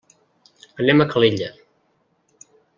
Anem a Calella.